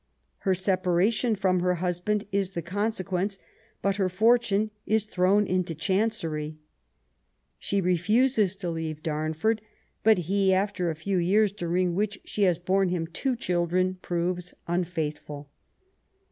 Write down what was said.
Her separation from her husband is the consequence, but her fortune is thrown into chancery* She refuses to leave Damford^ but he^ after a few years, during which she has borne him two children^ proves unfaithful.